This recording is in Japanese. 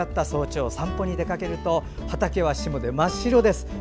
早朝散歩に出かけると畑は霜で真っ白です。